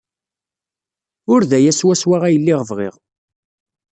Ur d aya swaswa ay lliɣ bɣiɣ.